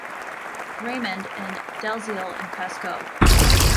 Raymond in "Dalziel and Pascoe".